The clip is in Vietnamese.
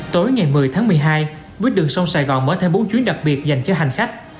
tối ngày một mươi tháng một mươi hai buýt đường sông sài gòn mở thêm bốn chuyến đặc biệt dành cho hành khách